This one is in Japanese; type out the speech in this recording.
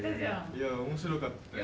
いや面白かったよ。